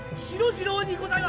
次郎にございます！